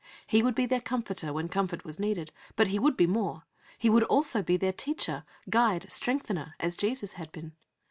He would be their Comforter when comfort was needed; but He would be more; He would be also their Teacher, Guide, Strengthener, as Jesus had been.